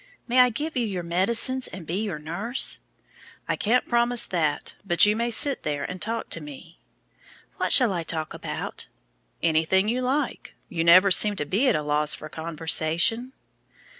May I give you your medicines, and be your nurse?" "I can't promise that, but you may sit there and talk to me." "What shall I talk about?" "Anything you like. You never seem to be at a loss for conversation."